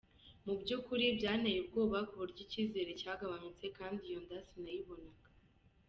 Mu by’ukuri byanteye ubwoba ku buryo icyizere cyagabanutse, kandi iyo nda sinayibonaga.